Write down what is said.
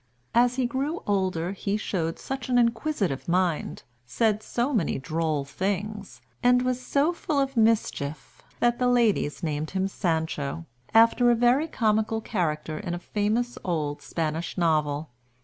As he grew older, he showed such an inquisitive mind, said so many droll things, and was so full of mischief, that the ladies named him Sancho, after a very comical character in a famous old Spanish novel.